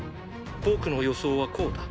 僕の予想はこうだ。